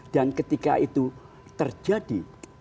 dan ketika itu terjadi